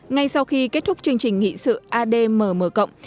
ngay sau khi kết thúc chương trình nghị sự admm